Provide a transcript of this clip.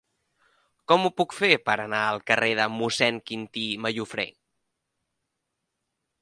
Com ho puc fer per anar al carrer de Mossèn Quintí Mallofrè?